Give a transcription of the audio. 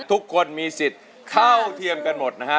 ทุกคนมีสิทธิ์เท่าเทียมกันหมดนะฮะ